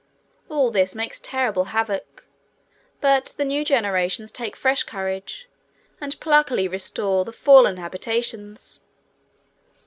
All this makes terrible havoc, but the new generations take fresh courage and pluckily restore the fallen habitations.